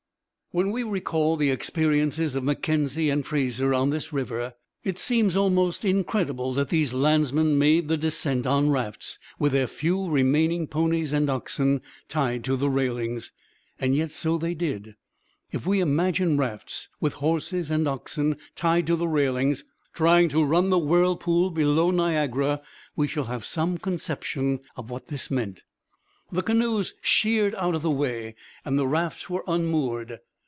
When we recall the experiences of Mackenzie and Fraser on this river, it seems almost incredible that these landsmen made the descent on rafts with their few remaining ponies and oxen tied to the railings; yet so they did. If we imagine rafts, with horses and oxen tied to the railings, trying to run the whirlpool below Niagara, we shall have some conception of what this meant. The canoes sheered out of the way and the rafts were unmoored.